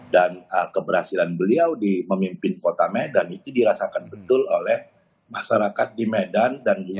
dan keberhasilan beliau di memimpin kota medan itu dirasakan betul oleh masyarakat di medan